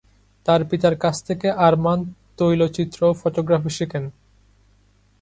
তার পিতার কাছ থেকে আরমান তৈলচিত্র ও ফটোগ্রাফি শেখেন।